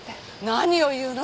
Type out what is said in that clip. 何を言うの？